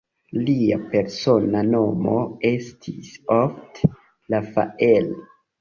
Lia persona nomo estis ofte "Rafael".